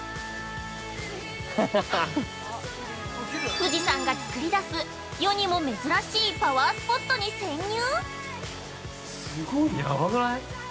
◆富士山が作り出す世にも珍しいパワースポットに潜入？